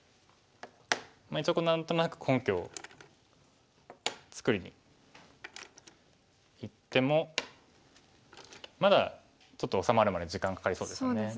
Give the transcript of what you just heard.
一応何となく根拠を作りにいってもまだちょっと治まるまで時間かかりそうですよね。